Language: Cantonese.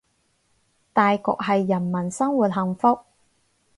大局係人民生活幸福